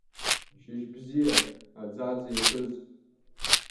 Шьыжьыбзиа, аӡаӡа иҳәыз.